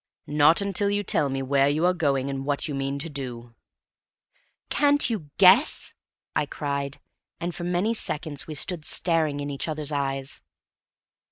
"Not until you tell me where you are going and what you mean to do." "Can't you guess?" I cried. And for many seconds we stood staring in each other's eyes.